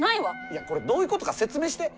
いやこれどういうことか説明して！